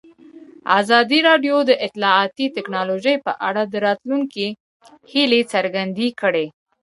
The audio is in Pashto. ازادي راډیو د اطلاعاتی تکنالوژي په اړه د راتلونکي هیلې څرګندې کړې.